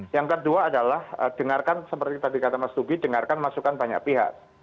yang kedua adalah dengarkan seperti tadi kata mas tugi dengarkan masukan banyak pihak